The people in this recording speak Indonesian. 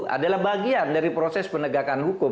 adalah bagian dari proses penegakan hukum